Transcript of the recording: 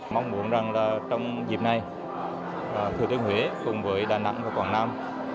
mong buồn rằng trong dịp này thừa thiên huế cùng với đà nẵng và quảng nam